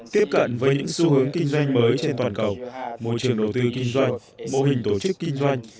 tiếp cận với những xu hướng kinh doanh mới trên toàn cầu môi trường đầu tư kinh doanh mô hình tổ chức kinh doanh